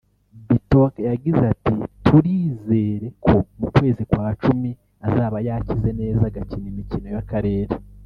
Bitok yagize ati” Turizere ko mu kwezi kwa cumi azaba yakize neza agakina imikino y’akarere